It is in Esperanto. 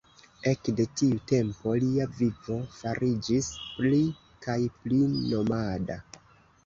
Ekde tiu tempo lia vivo fariĝis pli kaj pli nomada.